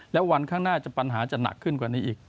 แล้ววันข้างหน้าปัญหาจะหนักขึ้นกว่านี้อีก